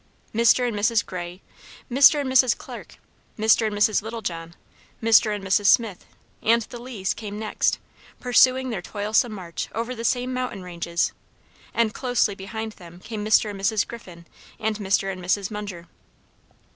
Mr. and Mrs. Gray, Mr. and Mrs. Clark, Mr. and Mrs. Littlejohn, Mr. and Mrs. Smith, and the Lees came next, pursuing their toilsome march over the same mountain ranges, and closely behind them came Mr. and Mrs. Griffin and Mr. and Mrs. Munger.